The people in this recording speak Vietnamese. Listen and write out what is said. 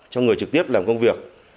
cho người trực tiếp làm công việc